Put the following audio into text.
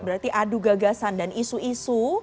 berarti adu gagasan dan isu isu